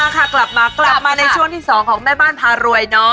กลับมาในช่วงที่สองของแม่บ้านพารวยเนอะ